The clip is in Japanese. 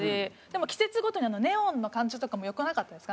季節ごとにネオンの感じとかも良くなかったですか？